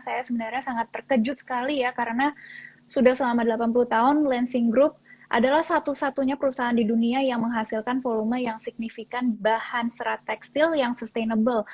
saya sebenarnya sangat terkejut sekali ya karena sudah selama delapan puluh tahun lansing group adalah satu satunya perusahaan di dunia yang menghasilkan volume yang signifikan bahan serat tekstil yang sustainable